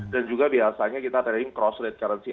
dan juga biasanya kita trading cross rate currency